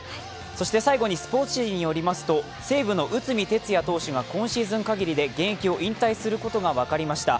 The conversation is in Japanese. そして最後にスポーツ紙によりますと、西武の内海哲也投手が今シーズン限りで現役を引退することが分かりました。